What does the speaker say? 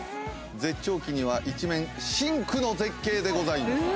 絶頂期には一面深紅の絶景でございます。